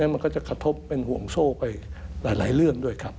มันก็จะกระทบเป็นห่วงโชคไปหลายเรื่องด้วยครับ